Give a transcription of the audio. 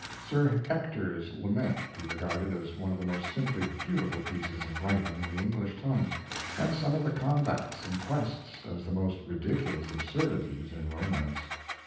Sir Ector's lament he regarded as one of the most simply beautiful pieces of writing in the English tongue, and some of the combats and quests as the most ridiculous absurdities in romance.